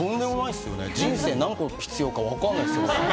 人生、何個必要かわかんないっすよね。